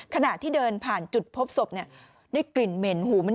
ขณะที่เดินผ่านจุดพบศพได้กลิ่นเหม็นหู